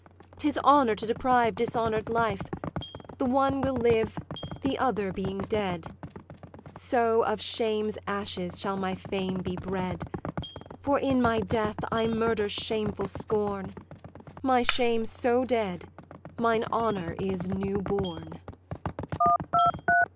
'Tis honour to deprive dishonour'd life; The one will live, the other being dead: So of shame's ashes shall my fame be bred; For in my death I murder shameful scorn: My shame so dead, mine honour is newborn.